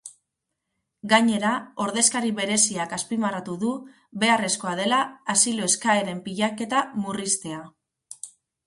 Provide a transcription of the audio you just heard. Gainera, ordezkari bereziak azpimarratu du beharrezkoa dela asilo-eskaeren pilaketa murriztea.